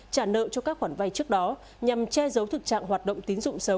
trả nợ cho các khoản vay trước đó nhằm che giấu thực trạng hoạt động tín dụng xấu